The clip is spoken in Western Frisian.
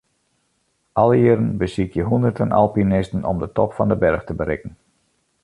Alle jierren besykje hûnderten alpinisten om de top fan 'e berch te berikken.